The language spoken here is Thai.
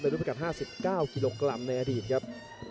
รูปประกัด๕๙กิโลกรัมในอดีตครับ